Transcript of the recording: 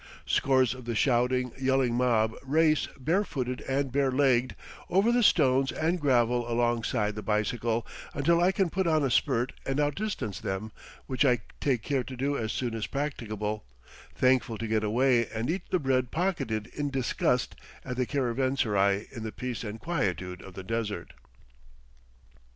Scores of the shouting, yelling mob race, bare footed and bare legged, over the stones and gravel alongside the bicycle, until I can put on a spurt and out distance them, which I take care to do as soon as practicable, thankful to get away and eat the bread pocketed in disgust at the caravanserai in the peace and quietude of the desert.